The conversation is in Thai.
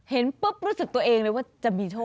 เห็นปุ๊บรู้สึกตัวเองเลยว่าจะมีโชค